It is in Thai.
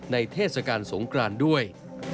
เทศกาลสงครานด้วย